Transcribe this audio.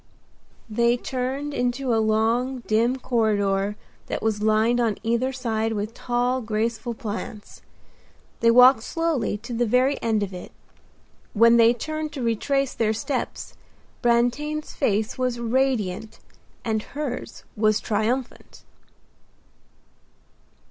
They turned into a long, dim corridor that was lined on either side with tall, graceful plants. They walked slowly to the very end of it. When they turned to retrace their steps Brantain's face was radiant and hers was triumphant.